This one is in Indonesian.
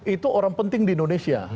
itu orang penting di indonesia